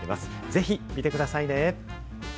ぜひ、見てくださいね。